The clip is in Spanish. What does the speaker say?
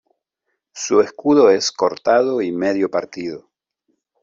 Su escudo es: Cortado y medio partido.